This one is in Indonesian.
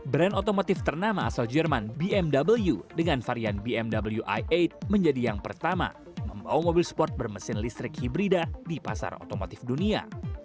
brand otomotif ternama asal jerman bmw dengan varian bmw i delapan menjadi yang pertama membawa mobil sport bermesin listrik hibrida di pasar otomotif dunia